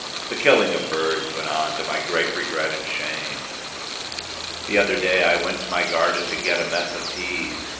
The killing of birds went on to my great regret and shame. The other day I went to my garden to get a mess of peas.